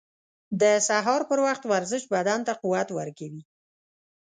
• د سهار پر وخت ورزش بدن ته قوت ورکوي.